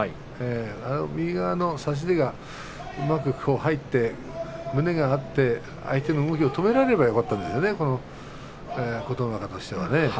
右の差し手がうまく入って、胸が合って相手の動きを止められればよかったですね、琴ノ若。